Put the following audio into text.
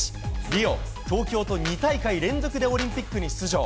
リオ、東京と２大会連続でオリンピックに出場。